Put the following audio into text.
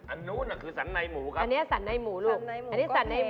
อันนู้นน่ะคือสันในหมูครับอันนี้สันในหมูลูกอันนี้สันในหมู